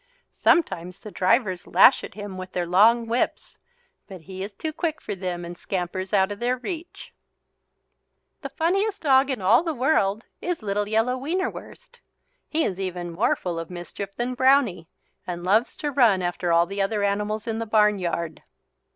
Sometimes the drivers lash at him with their long whips but he is too quick for them and scampers out of their reach. The funniest doggie in all the world is little yellow Wienerwurst. He is even more full of mischief than Brownie and loves to run after all the other animals in the barnyard.